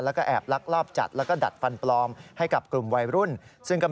แล้วก็แอบลักลอบจัดแล้วก็ดัดฟันปลอมให้กับกลุ่มวัยรุ่นซึ่งก็เป็น